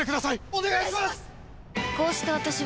お願いします！